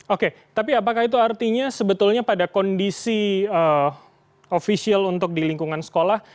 oke tapi apakah itu artinya sebetulnya pada kondisi ofisial untuk di lingkungan sekolah